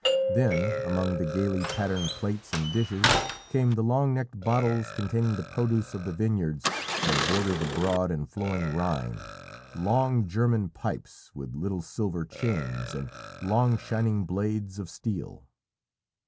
Then among the gaily patterned plates and dishes came the long necked bottles containing the produce of the vineyards that border the broad and flowing Rhine long German pipes with little silver chains, and long shining blades of steel.